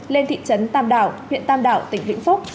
lên thị trấn tam đảo huyện tam đảo tỉnh vĩnh phúc